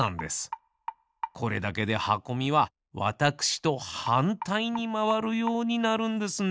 これだけではこみはわたくしとはんたいにまわるようになるんですね。